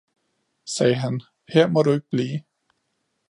sagde han, her må du ikke blive!